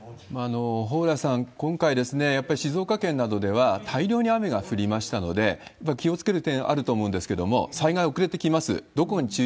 蓬莱さん、今回、やっぱり静岡県などでは大量に雨が降りましたので、やっぱり気をつける点あると思うんですけれども、災害遅れて来ます。